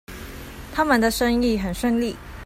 他們的生意很順利